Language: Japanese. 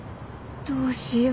どうしよう。